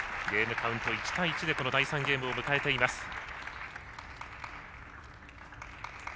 ゲームカウント１対１で第３ゲームを迎えています。